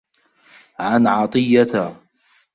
عَنْ عَطِيَّةَ